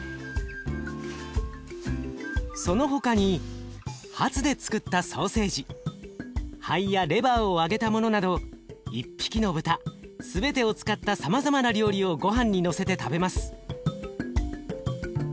その他にハツでつくったソーセージ肺やレバーを揚げたものなど一匹の豚全てを使ったさまざまな料理をごはんにのせて食べます。